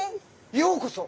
ようこそ。